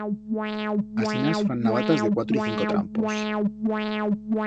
Asinas fan navatas de cuatro y cinco trampos.